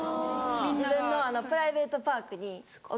自分のプライベートパークに置きたい。